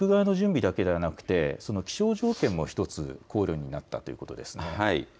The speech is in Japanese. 放出は陸側の準備だけではなくて気象条件も一つ考慮になったということですね。